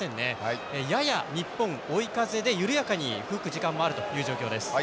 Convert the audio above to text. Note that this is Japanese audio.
やや日本追い風で緩やかに吹く時間もあるという状況です。